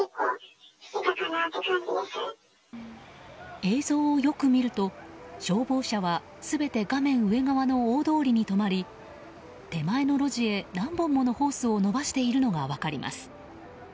映像をよく見ると消防車は全て画面上側の大通りに止まり手前の路地へ何本ものホースを伸ばしているのが分かります。